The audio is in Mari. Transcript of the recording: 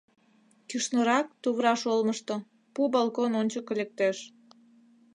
Кӱшнырак, тувраш олмышто, пу балкон ончыко лектеш.